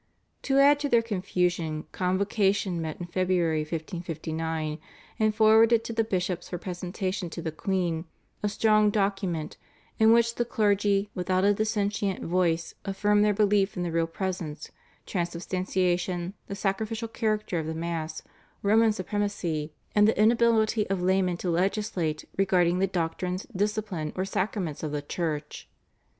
To add to their confusion Convocation met in February (1559) and forwarded to the bishops for presentation to the queen a strong document, in which the clergy without a dissentient voice affirmed their belief in the Real Presence, Transubstantiation, the sacrificial character of the Mass, Roman supremacy and the inability of laymen to legislate regarding the doctrines, discipline, or sacraments of the Church.